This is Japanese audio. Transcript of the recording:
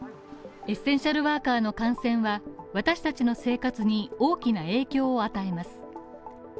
エッセンシャルワーカーの感染は私たちの生活に大きな影響を与えます。